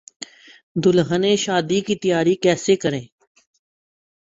دلہنیں شادی کی تیاری کیسے کریں